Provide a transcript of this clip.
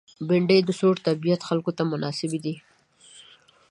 بېنډۍ د سوړ طبیعت خلکو ته مناسبه ده